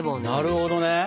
なるほどね！